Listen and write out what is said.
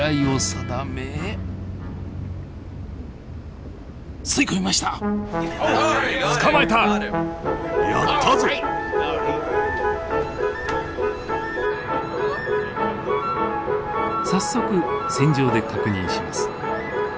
早速船上で確認します。